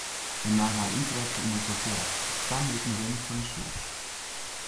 Hja naam har yntrek yn it hotel, op twa minuten rinnen fan ús hûs.